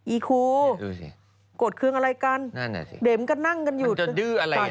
อีครูดูสินั่นแหละสิมันจะดื้ออะไรอย่างนั้นดูดูสิ